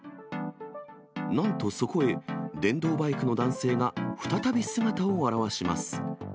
なんとそこへ、電動バイクの男性が再び姿を現します。